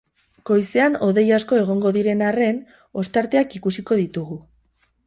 Goizean hodei asko egongo diren arren, ostarteak ikusiko ditugu.